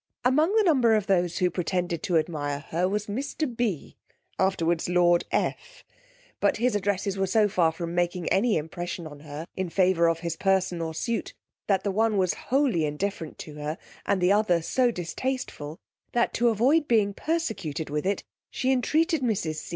Among the number of those who pretended to admire her was mr. B n, afterwards lord F h; but his addresses were so far from making any impression on her in favour of his person or suit, that the one was wholly indifferent to her, and the other so distasteful, that to avoid being persecuted with it, she entreated mrs.